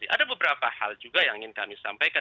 ada beberapa hal juga yang ingin kami sampaikan